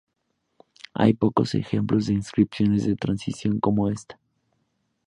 Hay pocos ejemplos de inscripciones de transición como esta.